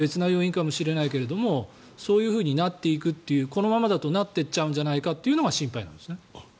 そうするとそういうふうなものが今回は別な要因かもしれないけれどそういうふうになっていくというこのままだとなっていっちゃうんじゃないかというのが心配なんですよね。